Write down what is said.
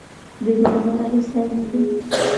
دوی به د ملالۍ ستاینه کوي.